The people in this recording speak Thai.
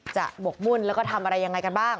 บกมุ่นแล้วก็ทำอะไรยังไงกันบ้าง